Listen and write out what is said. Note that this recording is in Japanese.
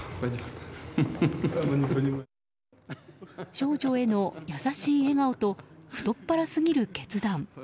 少女への優しい笑顔と太っ腹すぎる決断。